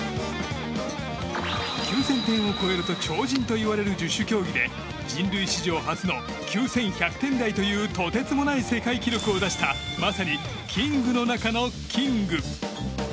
９０００点を超えると超人といわれる十種競技で人類史上初の９１００点台というとてつもない世界記録を出したまさにキングの中のキング。